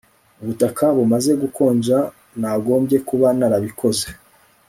Ubutaka bumaze gukonja nagombye kuba narabikoze